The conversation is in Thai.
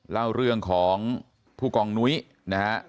เล่าเรื่องของผู้กองนุ้ยนะฮะ